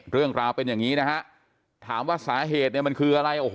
เรื่องราวเป็นอย่างนี้นะฮะถามว่าสาเหตุเนี่ยมันคืออะไรโอ้โห